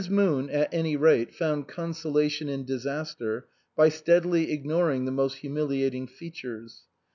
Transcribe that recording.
Moon at any rate found consolation in disaster by steadily ignoring its most humili ating features.